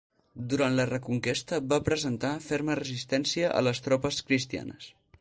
Durant la reconquesta, va presentar ferma resistència a les tropes cristianes.